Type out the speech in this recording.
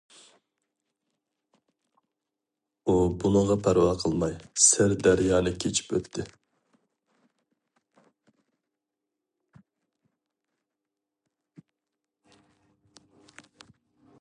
ئۇ بۇنىڭغا پەرۋا قىلماي سىر دەريانى كېچىپ ئۆتتى.